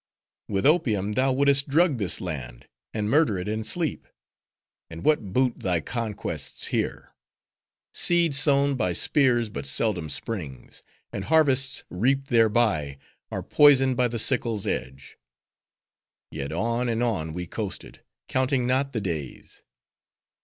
with opium, thou wouldst drug this land, and murder it in sleep!—And what boot thy conquests here? Seed sown by spears but seldom springs; and harvests reaped thereby, are poisoned by the sickle's edge." Yet on, and on we coasted; counting not the days.